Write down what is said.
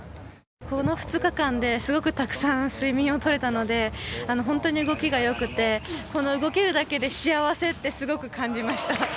この２日間で、すごくたくさん睡眠をとれたので、本当に動きがよくて、この動けるだけで幸せってすごく感じました。